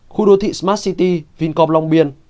khu đô thị smart city vincom long biên